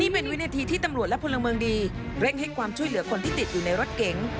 เป็นวินาทีที่ตำรวจและพลเมืองดีเร่งให้ความช่วยเหลือคนที่ติดอยู่ในรถเก๋ง